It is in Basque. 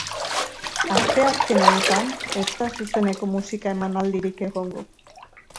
Asteazken honetan ez da zuzeneko musika emanaldirik egongo.